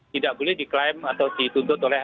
tidak boleh diklaim atau dituntut oleh